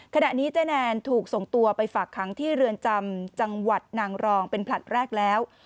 ขณะนี้เจ๊แนนถูกส่งตัวไปฝากค้างที่เรือนจำจังหวัดนางรองเป็นผลัดแรกแล้ว